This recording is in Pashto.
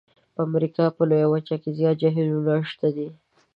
په امریکا په لویه وچه کې زیات جهیلونه شته دي.